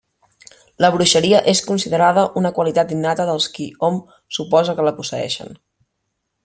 La bruixeria és considerada una qualitat innata dels qui hom suposa que la posseeixen.